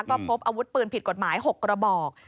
ก็พบอาวุธปืนผิดกฎหมาย๖กระบอก